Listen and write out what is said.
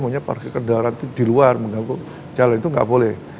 maksudnya parkir kendaraan itu di luar mengganggu jalan itu nggak boleh